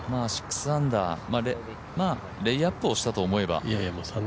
６アンダー、レイアップをしたと思えば。